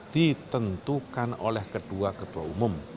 ditentukan oleh kedua ketua umum